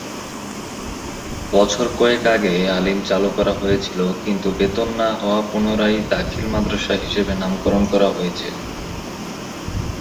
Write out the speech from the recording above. বছর কয়েক আগে আলিম চালু করা হয়েছিল কিন্তু বেতন না হওয়া পুনরায় দাখিল মাদ্রাসা হিসেবে নামকরণ করা হয়েছে।